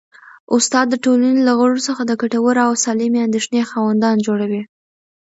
استاد د ټولني له غړو څخه د ګټورو او سالمې اندېښنې خاوندان جوړوي.